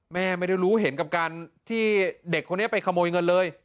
แม่ไม่ได้รู้เห็นกับการที่เด็กคนนี้ไปขโมยเงินเลย